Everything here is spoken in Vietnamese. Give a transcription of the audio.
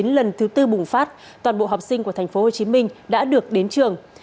lần thứ bốn bùng phát toàn bộ học sinh của thành phố hồ chí minh đã được đến trường